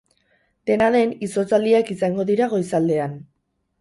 Dena den, izotzaldiak izango dira goizaldean.